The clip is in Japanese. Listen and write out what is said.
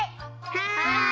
はい！